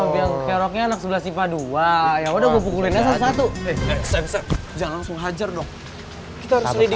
biar krayoknya anak sebelah sini